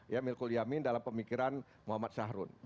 ya melkul yamin dalam pemikiran muhammad sahrun